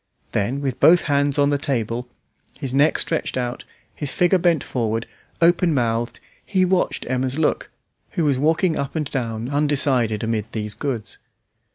Then, with both hands on the table, his neck stretched out, his figure bent forward, open mouthed, he watched Emma's look, who was walking up and down undecided amid these goods.